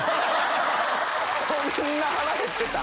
そんな腹へってた？